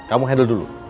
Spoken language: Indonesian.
kamu handle dulu